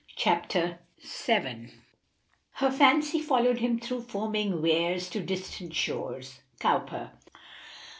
CHAPTER VII. "Her fancy followed him through foaming wares To distant shores." Cowper.